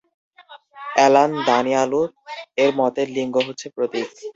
Alan দানিয়ালু-এর মতে লিঙ্গ হচ্ছে প্রতীক।